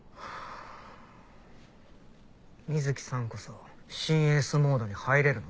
水木さんこそシン・エースモードに入れるの？